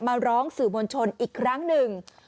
มาร้องสื่อมวลชนอีกครั้งหนึ่ง